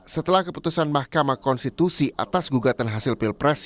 setelah keputusan mahkamah konstitusi atas gugatan hasil pilpres